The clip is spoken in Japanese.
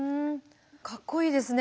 かっこいいですね。